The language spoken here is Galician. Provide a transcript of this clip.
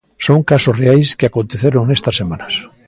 Son casos reais que aconteceron nestas semanas.